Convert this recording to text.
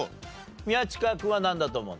宮近君はなんだと思うの？